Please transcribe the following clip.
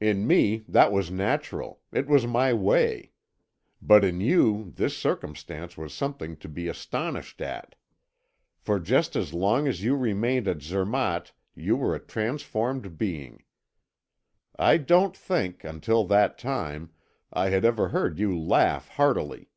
In me that was natural; it was my way. But in you this circumstance was something to be astonished at. For just as long as you remained at Zermatt you were a transformed being. I don't think, until that time, I had ever heard you laugh heartily.